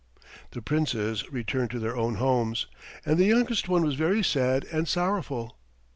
The Princes returned to their own homes, and the youngest one was very sad and sorrowful.